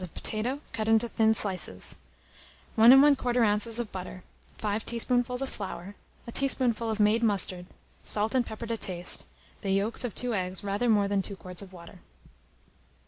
of potato, cut into thin slices; 1 1/4 oz. of butter, 5 teaspoonfuls of flour, a teaspoonful of made mustard, salt and pepper to taste, the yolks of 2 eggs, rather more than 2 quarts of water.